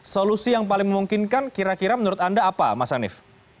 solusi yang paling memungkinkan kira kira menurut anda apa mas hanif